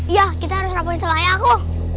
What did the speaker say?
iya kita harus rapuhin selayaku